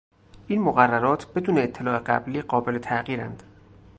این مقررات بدون اطلاع قبلی قابل تغییرند.